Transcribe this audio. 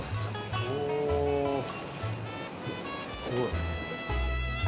おすごい。